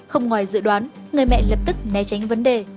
không ngoài dự đoán người mẹ lập tức né tránh vấn đề